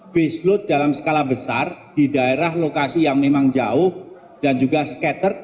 baseload dalam skala besar di daerah lokasi yang memang jauh dan juga scattered